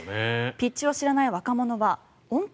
ピッチを知らない若者は音程？